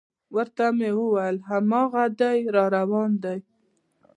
ورته مې وویل: هاغه دی را روان دی.